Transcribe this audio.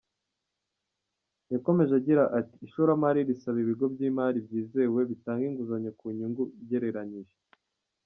Yakomeje agira ati “Ishoramari risaba ibigo by’imari byizewe bitanga inguzanyo ku nyungu igereranyije.